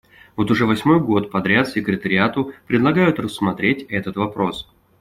Вот уже восьмой год подряд Секретариату предлагают рассмотреть этот вопрос.